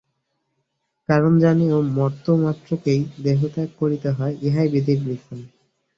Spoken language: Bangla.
কারণ, জানিও মর্ত্যমাত্রকেই দেহত্যাগ করিতে হয়, ইহাই বিধির বিধান।